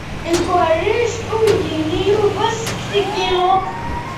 Ikerrec uydi-nni Yuba seg teglult.